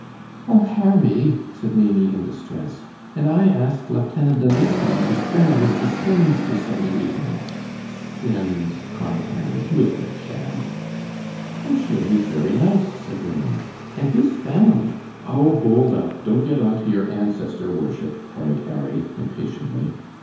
"Oh, Harry," said Maimie, in distress, "and I asked Lieutenant De Lacy and his friend, Mr. Sims, for Sunday evening " "Sims," cried Harry; "little cad!" "I'm sure he's very nice," said Maimie, "and his family " "Oh, hold up; don't get on to your ancestor worship," cried Harry, impatiently.